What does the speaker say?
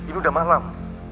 ini udah malam